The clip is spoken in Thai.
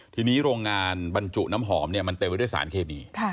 ทีนี้โรงงานบรรจุน้ำหอมมันเต็มไปด้วยสารเคมี